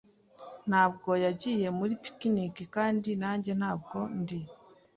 Ntabwo yagiye muri picnic, kandi nanjye ntabwo ndi.